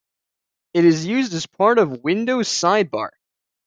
It is used as part of Windows Sidebar.